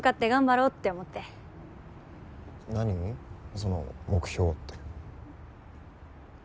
その目標って。